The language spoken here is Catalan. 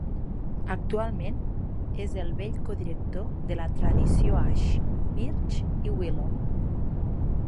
Actualment és el vell codirector de la tradició Ash, Birch i Willow.